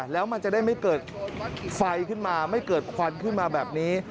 แล้วมันจะได้ไม่เกิดไฟขึ้นมาไม่เกิดควันขึ้นมาแบบนี้